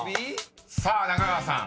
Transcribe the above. ［さあ中川さん］